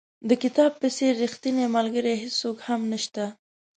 د کتاب په څېر ریښتینی ملګری هېڅوک هم نشته.